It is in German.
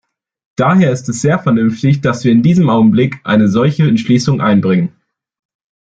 Daher ist es sehr vernünftig, dass wir in diesem Augenblick eine solche Entschließung einbringen.